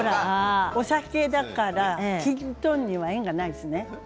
お酒だからきんとんには縁がないですね。